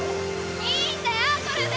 いいんだよこれで。